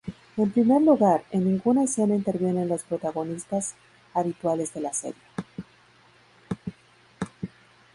En primer lugar, en ninguna escena intervienen los protagonistas habituales de la serie.